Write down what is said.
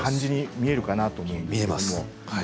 見えますね。